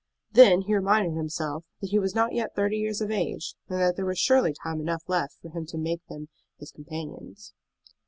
Then he reminded himself that he was not yet thirty years of age, and that there was surely time enough left for him to make them his companions.